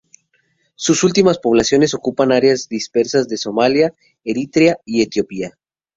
Sus últimas poblaciones ocupan áreas dispersas de Somalia, Eritrea y Etiopía.